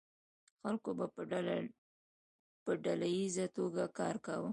خلکو به په ډله ایزه توګه کار کاوه.